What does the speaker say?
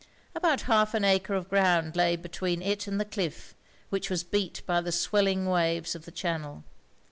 About half an acre of ground lay between it and the cliff, which was beat by the swelling waves of the channel.